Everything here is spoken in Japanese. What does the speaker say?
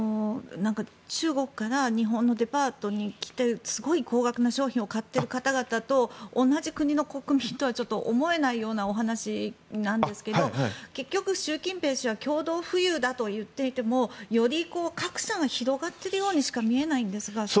中国から日本のデパートに来てすごい高額な商品を買っている方々と同じ国の国民とはちょっと思えないようなお話なんですけど結局、習近平氏は共同富裕だとは言っていてもより格差が広がってるようにしか見えないんですが。